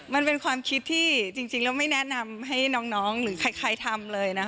มันเป็นความคิดที่จริงแล้วไม่แนะนำให้น้องหรือใครทำเลยนะคะ